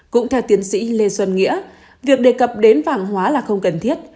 cũng theo tiến sĩ lê xuân nghĩa việc đề cập đến vàng hóa là không cần thiết